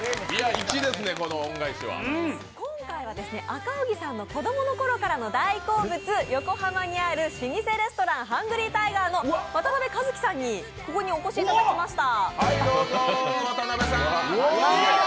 今回は赤荻さんの子供のころからの大好物、横浜にある老舗レストラン、ハングリータイガーの渡邊一城さんにここにお越しいただきました。